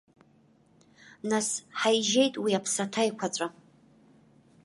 Нас, ҳаижьеит уи аԥсаҭа еиқәаҵәа?